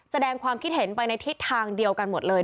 แสดงความคิดเห็นไปในทิศทางเดียวกันหมดเลย